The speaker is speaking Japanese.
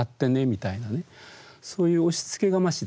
そういう押しつけがましい